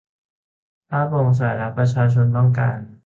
ถ้าโปร่งใสและประชาชนต้องการ